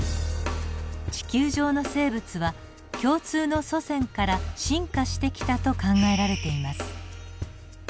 地球上の生物は共通の祖先から進化してきたと考えられています。